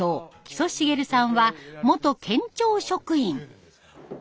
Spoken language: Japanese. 木曽茂さんは元県庁職員。